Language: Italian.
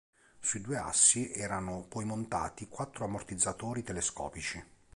Sui due assi erano poi montati quattro ammortizzatori telescopici.